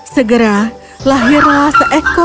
segera lahirlah seekor bayi gajah